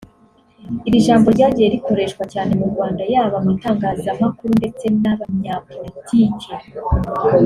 Iri ijambo ryagiye rikoreshwa cyane mu Rwanda yaba mu itangazamakuru ndetse n’abanyapolitike